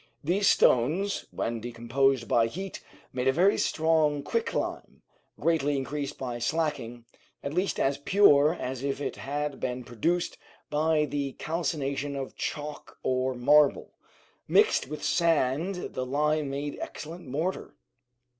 These stones, when decomposed by heat, made a very strong quicklime, greatly increased by slacking, at least as pure as if it had been produced by the calcination of chalk or marble. Mixed with sand the lime made excellent mortar.